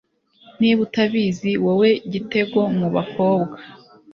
niba utabizi, wowe gitego mu bakobwa